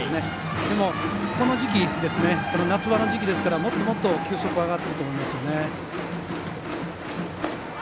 でも、この夏場の時期ですからもっともっと球速は上がっていると思いますよね。